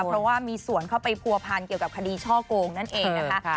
เพราะว่ามีส่วนเข้าไปผัวพันเกี่ยวกับคดีช่อโกงนั่นเองนะคะ